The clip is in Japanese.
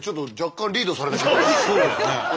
そうですね。